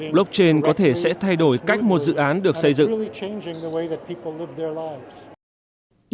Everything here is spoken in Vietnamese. blockchain có thể sẽ thay đổi cách một dự án được xây dựng